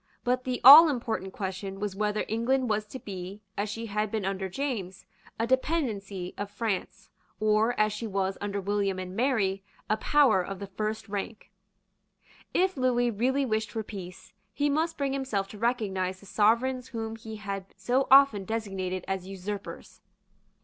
But the all important question was whether England was to be, as she had been under James, a dependency of France, or, as she was under William and Mary, a power of the first rank. If Lewis really wished for peace, he must bring himself to recognise the Sovereigns whom he had so often designated as usurpers.